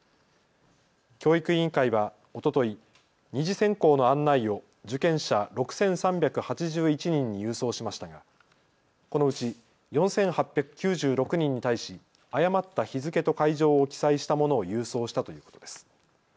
教育委員会はおととい２次選考の案内を受験者６３８１人に郵送しましたがこのうち４８９６人に対し誤った日付と会場を記載したものを郵送したということです。